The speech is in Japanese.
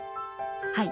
はい。